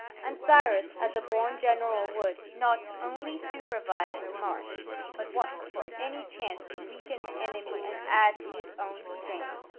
And Cyrus, as a born general would, not only supervised the march, but watched for any chance to weaken the enemy and add to his own strength.